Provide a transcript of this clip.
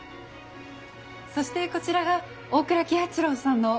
そしてこちらが大倉喜八郎さんの奥様の。